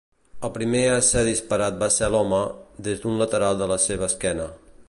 El primer a ser disparat va ser l'home, des d'un lateral de la seva esquena.